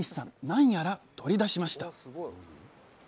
何やら取り出しました